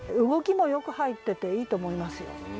動きもよく入ってていいと思いますよ。